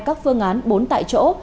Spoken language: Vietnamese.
các phương án bốn tại chỗ